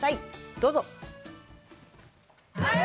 どうぞ。